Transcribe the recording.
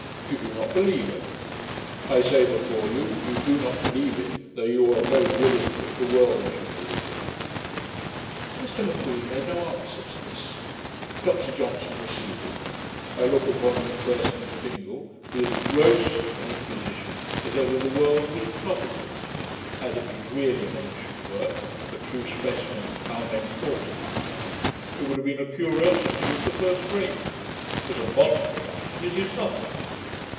You do not believe it. I say before you, you do not believe it, though you are very willing that the world should believe it.' Mr M'Queen made no answer to this. Dr Johnson proceeded, 'I look upon M'Pherson's Fingal to be as gross an imposition as ever the world was troubled with. Had it been really an ancient work, a true specimen how men thought at that time, it would have been a curiosity of the first rate. As a modern production, it is nothing.'